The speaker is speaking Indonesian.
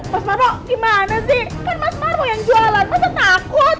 mas marmo gimana sih kan mas marmo yang jualan masa takut